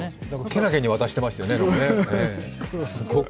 けなげに渡していましたよね。